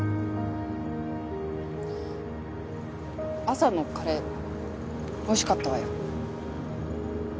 朝のカレー美味しかったわよ。